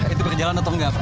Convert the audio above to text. itu berjalan atau enggak